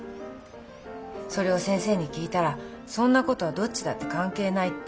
それを先生に聞いたらそんなことはどっちだって関係ないって。